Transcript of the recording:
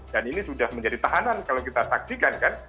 dan ini sudah menjadi tahanan kalau kita saksikan kan